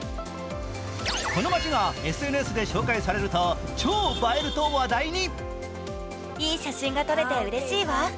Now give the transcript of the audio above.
この街がＳＮＳで紹介されると、超映えると話題に。